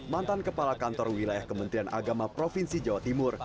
mantan kepala kantor wilayah kementerian agama provinsi jawa timur